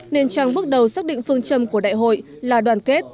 nên trang bước đầu xác định phương châm của đại hội là đoàn kết